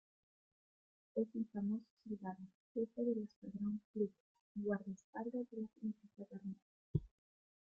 Es un famoso soldado, jefe del escuadrón Pluto y guardaespaldas de la princesa Garnet.